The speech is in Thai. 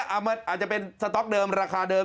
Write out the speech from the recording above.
อาจจะเป็นสต๊อกเดิมราคาเดิม